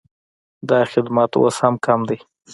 دا خدمت اوس هم کم دی